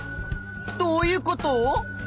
どういうこと？